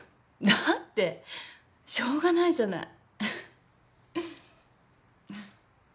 だってしょうがないじゃない。